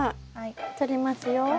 とりますよ。